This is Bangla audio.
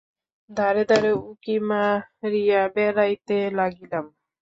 দ্বারে দ্বারে উঁকি মারিয়া বেড়াইতে লাগিলাম।